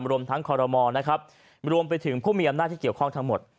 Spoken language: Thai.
รวมทั้งคอรมอลนะครับรวมไปถึงผู้มีอำนาจที่เกี่ยวข้องทั้งหมด